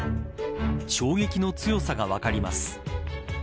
衝撃の強さが分かります。